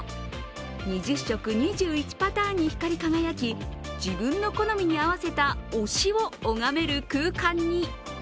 ２０色２１パターンに光り輝き自分の好みに合わせた推しを拝める空間に。